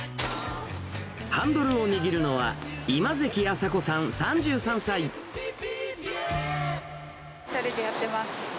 ハンドルを握るのは、１人でやってます。